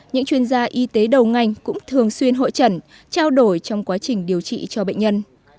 những chuyên gia y tế đầu ngành cũng thường xuyên hội trần trao đổi trong quá trình điều trị cho bệnh nhân